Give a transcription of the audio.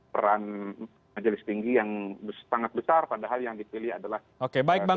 peran majelis tinggi yang sangat besar padahal yang dipilih adalah